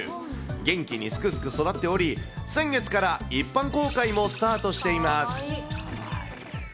元気にすくすく育っており、先月から一般公開もスタートしています。